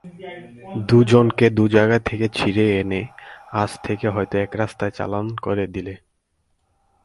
দুজনকে দু জায়গা থেকে ছিঁড়ে এনে আজ থেকে হয়তো এক রাস্তায় চালান করে দিলে।